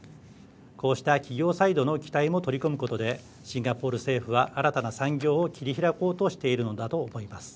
こうした企業サイドの期待も取り込むことでシンガポール政府は新たな産業を切り開こうとしているのだと思います。